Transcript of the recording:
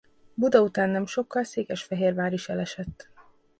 Buda után nem sokkal Székesfehérvár is elesett.